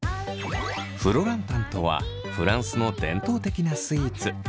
フロランタンとはフランスの伝統的なスイーツ。